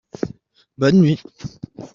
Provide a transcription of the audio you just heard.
Bonne nuit !